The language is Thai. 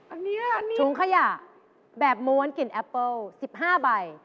อันนี้ถุงขยะแบบม้วนกลิ่นแอปเปิ้ล๑๕ใบ